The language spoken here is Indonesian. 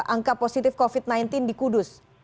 angka positif covid sembilan belas di kudus